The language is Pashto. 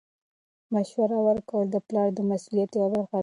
مشوره ورکول د پلار د مسؤلیت یوه برخه ده.